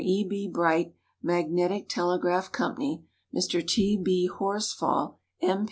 B. Bright, Magnetic Telegraph Company; Mr. T. B. Horsfall, M.